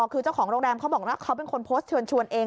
คือเจ้าของโรงแรมเขาบอกว่าเขาเป็นคนโพสต์เชิญชวนเอง